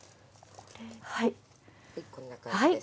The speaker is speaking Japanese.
こんな感じですね。